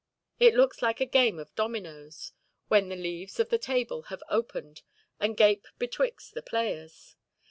It looks like a game of dominoes, when the leaves of the table have opened and gape betwixt the players.